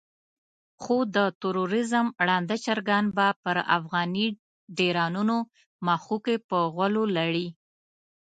خو د تروريزم ړانده چرګان به پر افغاني ډيرانونو مښوکې په غولو لړي.